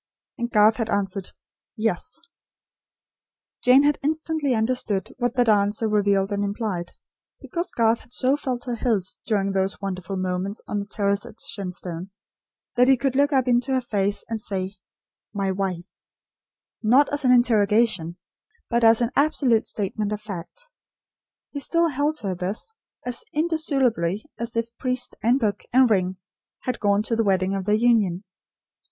And Garth had answered: "Yes." Jane had instantly understood what that answer revealed and implied. Because Garth had so felt her his during those wonderful moments on the terrace at Shenstone, that he could look up into her face and say, "My wife" not as an interrogation, but as an absolute statement of fact, he still held her this, as indissolubly as if priest, and book, and ring, had gone to the wedding of their union.